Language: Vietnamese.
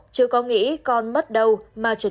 chưa có nghĩ con mất đâu